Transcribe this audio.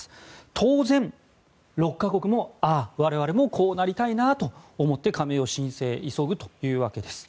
当然、６か国もああ、我々もこうなりたいなと思って加盟申請を急ぐというわけです。